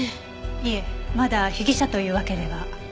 いえまだ被疑者というわけでは。